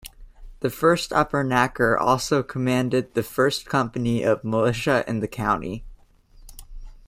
The first Upper Nyacker also commanded the first company of militia in the county.